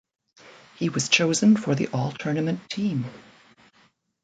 He was chosen for the All-Tournament Team.